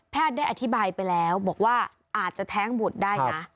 ได้อธิบายไปแล้วบอกว่าอาจจะแท้งบุตรได้นะ